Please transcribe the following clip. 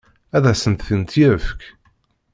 Ad asent-tent-yefk?